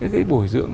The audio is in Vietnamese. cái bổi dưỡng